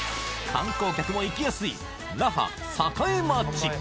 観光客も行きやすい那覇・栄町